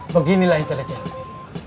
beginilah hitare jawa